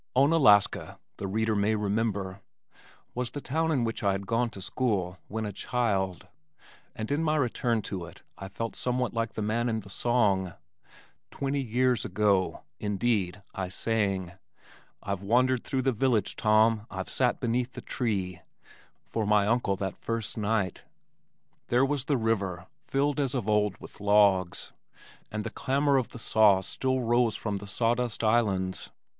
Onalaska, the reader may remember, was the town in which I had gone to school when a child, and in my return to it I felt somewhat like the man in the song, Twenty Years Ago indeed I sang, "I've wandered through the village, Tom, I've sat beneath the tree" for my uncle that first night. There was the river, filled as of old with logs, and the clamor of the saws still rose from the sawdust islands.